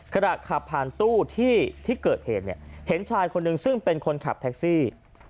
กระดาษขับผ่านตู้เกิดเหตุเห็นชายคนนึงซึ่งเป็นคนขับแท็กซี่